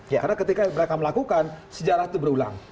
karena ketika mereka melakukan sejarah itu berulang